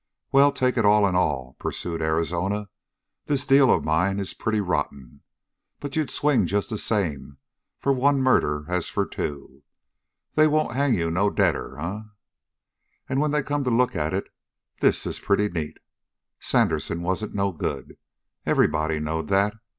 "Well, take it all in all," pursued Arizona, "this deal of mine is pretty rotten, but you'd swing just the same for one murder as for two. They won't hang you no deader, eh? And when they come to look at it, this is pretty neat. Sandersen wasn't no good. Everybody knowed that.